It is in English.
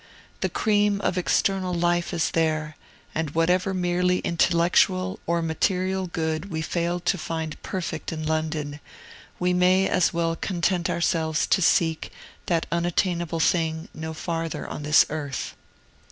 The cream of external life is there; and whatever merely intellectual or material good we fail to find perfect in London, we may as well content ourselves to seek that unattainable thing no farther on this earth.